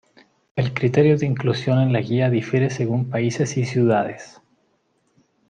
El criterio de inclusión en la guía difiere según países y ciudades.